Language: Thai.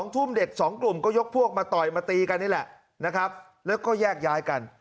ทุ่มเด็ก๒กลุ่มก็ยกพวกมาต่อยมาตีกันนี่แหละนะครับแล้วก็แยกย้ายกัน